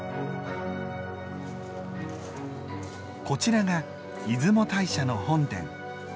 こちらが出雲大社の本殿。